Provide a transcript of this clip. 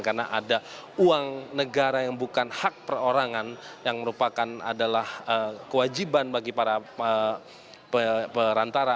karena ada uang negara yang bukan hak perorangan yang merupakan adalah kewajiban bagi para perantara